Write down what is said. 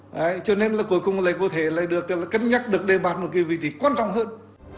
đấy cho nên là cuối cùng lại có thể là được cân nhắc được đề bạt một cái vị trí quan trọng hơn